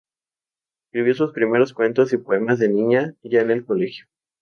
Escribió sus primeros cuentos y poemas de niña, ya en el colegio.